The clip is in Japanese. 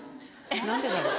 何でだろう？